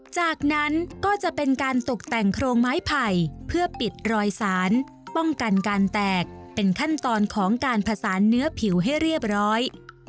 จากนั้นก็จะเป็นการตกแต่งโครงไม้ไผ่เพื่อปิดรอยสารป้องกันการแตกเป็นขั้นตอนของการผสานเนื้อผิวให้เรียบร้อย